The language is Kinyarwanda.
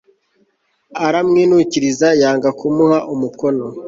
aramwinukiriza yanga kumuha umukono